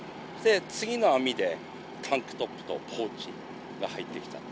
次の網でタンクトップとポーチが入ってきた。